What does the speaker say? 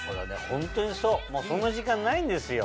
ホントにそうそんな時間ないんですよ。